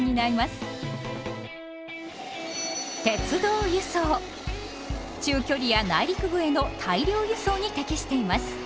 中距離や内陸部への大量輸送に適しています。